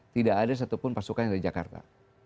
tidak ada satupun pasukan yang ada di jakarta